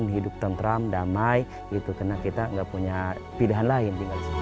hidup tentram damai karena kita tidak punya pilihan lain